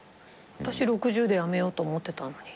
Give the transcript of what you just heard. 私６０でやめようと思ってたのに。